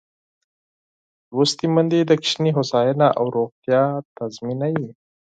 لوستې میندې د ماشوم هوساینه او روغتیا تضمینوي.